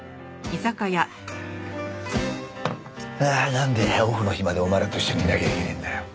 なんでオフの日までお前らと一緒にいなきゃいけねえんだよ。